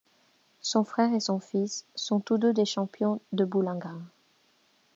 Son frère et son fils sont tous deux des champions de boulingrin.